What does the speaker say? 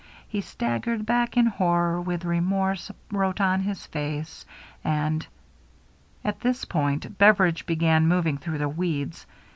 He staggered back in horror with remorse wrote on his fiice. And —" At this point Beveridge began moving through the weeds.